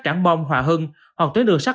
trảng bông hòa hưng hoặc tuyến đường sắt